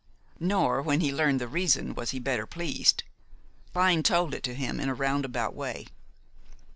Nor when he learned the reason was he better pleased. Clyne told it to him in a roundabout way.